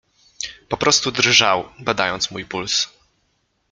Po prostu drżał, badając mój puls.